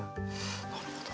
なるほど。